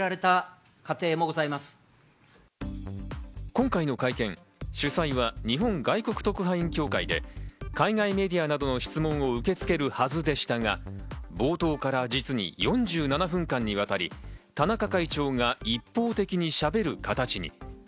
今回の会見、主催は日本外国特派員協会で海外メディアなどの質問を受け付けるはずでしたが、冒頭から実に４７分間にわたり田中会長が一方的にしゃべる形に。